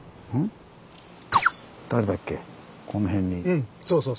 うんそうそう